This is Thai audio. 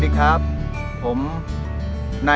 โชคชะตาโชคชะตา